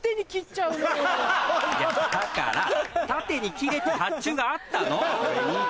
いやだから縦に切れって発注があったの俺に。